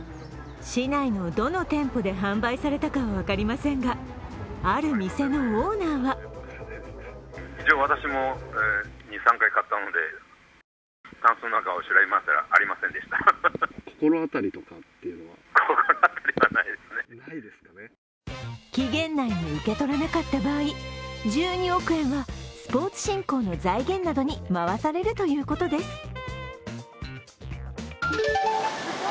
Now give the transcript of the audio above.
市内のどの店舗で販売されたかは分かりませんが、ある店のオーナーは期限内に受け取らなかった場合、１２億円はスポーツ振興の財源などに回されるということです。